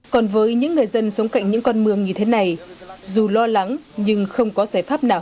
còn với những người dân sống cạnh những con mương như thế này dù lo lắng nhưng không có giải pháp nào